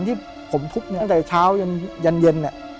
ที่ผมทุบตั้งแต่เช้ายันเย็นเนี่ย